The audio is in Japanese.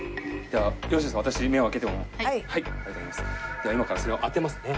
では今からそれを当てますね。